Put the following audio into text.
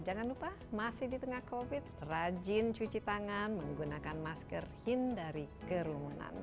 jangan lupa masih di tengah covid rajin cuci tangan menggunakan masker hindari kerumunan